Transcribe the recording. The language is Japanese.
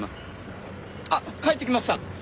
あっ帰ってきました！